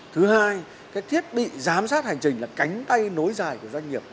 thứ hai cái thiết bị giám sát hành trình là cánh tay nối dài của doanh nghiệp